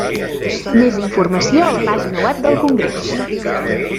Més informació a la pàgina web del congrés.